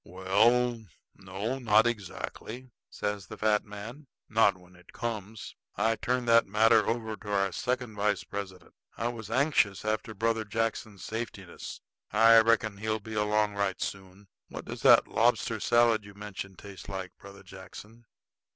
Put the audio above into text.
"Well, no, not exactly," says the fat man, "not when it comes. I turned that matter over to our second vice president. I was anxious after Brother Jackson's safetiness. I reckon he'll be along right soon. What does that lobster salad you mentioned taste like, Brother Jackson?"